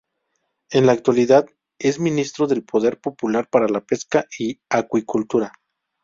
En la actualidad es Ministro del Poder Popular para la Pesca y Acuicultura.